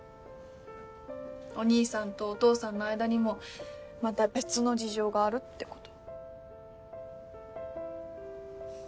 お兄さんとお父さんの間にもまた別の事情があるってこと。